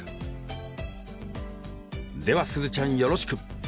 ではすずちゃんよろしく！